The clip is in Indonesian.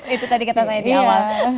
itu tadi kita tanya di awal